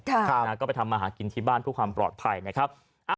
ก็ไปทำมาหากินที่บ้านเพื่อความปลอดภัยนะครับ